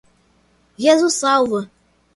Jesus salva!